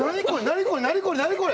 何これ！